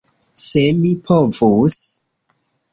Se mi povus!